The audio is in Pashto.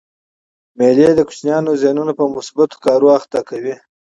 مېلې د کوچنيانو ذهن په مثبتو کارو بوختوي.